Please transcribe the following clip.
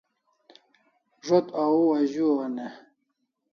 Zo't au azu an e?